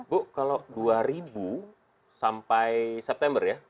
bu kalau dua ribu sampai september ya